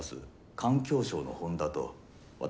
環境省の本田と私